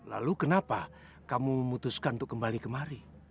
lalu kenapa kamu memutuskan untuk kembali kemari